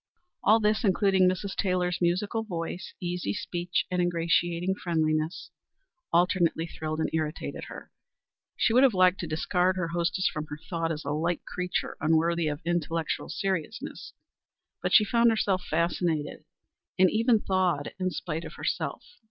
All this, including Mrs. Taylor's musical voice, easy speech, and ingratiating friendliness, alternately thrilled and irritated her. She would have liked to discard her hostess from her thought as a light creature unworthy of intellectual seriousness, but she found herself fascinated and even thawed in spite of herself.